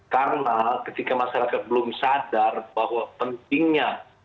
karena ketika masyarakat belum sadar bahwa pentingnya